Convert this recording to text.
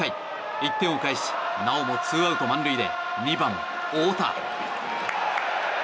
１点を返しなおもツーアウト満塁で２番、大田。